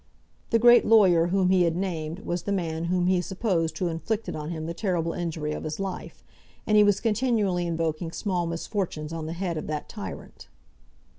The great lawyer whom he had named was the man whom he supposed to have inflicted on him the terrible injury of his life, and he was continually invoking small misfortunes on the head of that tyrant.